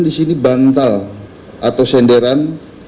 di sini bantal atau senderan